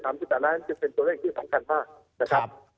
ตัวเลข๓จุดต่างจะเป็นตัวเลขที่สำคัญมาก